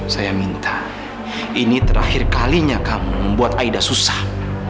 saya minta ini terakhir kalinya kamu membuat aida susah